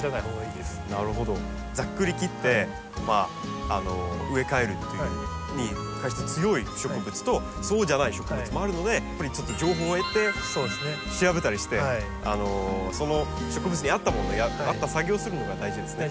ざっくり切って植え替えるっていうのに関して強い植物とそうじゃない植物もあるのでやっぱりちょっと情報を得て調べたりしてその植物に合ったものや合った作業をするのが大事ですね。